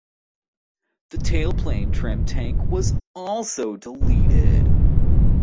The tailplane trim tank was also deleted.